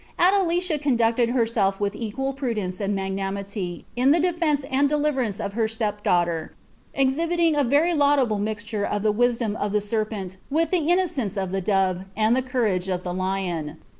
AdeUcia conducted herself with equal prudence and mngnaitiad^ in the defence and deliverance of her step daughter, eihihitine a tcri laudable mixture of the wisdom of the serpent with the innocence « the dove and the couiage of the lion.